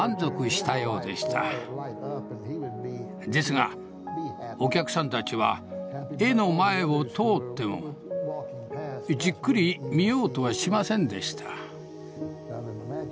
ですがお客さんたちは絵の前を通ってもじっくり見ようとはしませんでした。